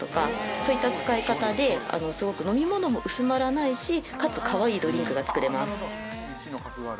そういった使い方ですごく飲み物も薄まらないしかつかわいいドリンクが作れます。